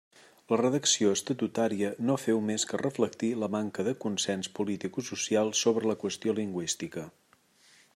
La redacció estatutària no féu més que reflectir la manca de consens politicosocial sobre la qüestió lingüística.